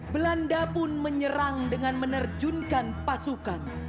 belanda pun menyerang dengan menerjunkan pasukan